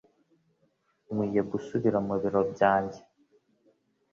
Nkwiye gusubira mu biro byanjye